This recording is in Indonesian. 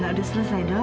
saya sudah selesai dok